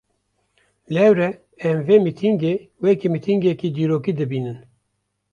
Lewre em vê mîtîngê, wekî mîtîngeke dîrokî dibînin